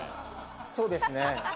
そうですね。